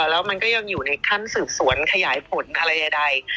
แล้วมันก็ยังอยู่ในขั้นสืบสวนขยายผลอะไรใด